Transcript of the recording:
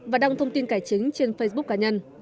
và đăng thông tin cải chính trên facebook cá nhân